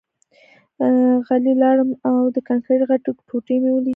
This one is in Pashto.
غلی لاړم او د کانکریټ غټې ټوټې مې ولیدې